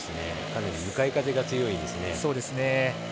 向かい風が強いですね。